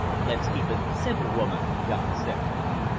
"Let's keep it simple, woman," Don said.